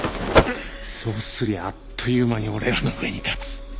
そうすりゃあっという間に俺らの上に立つ。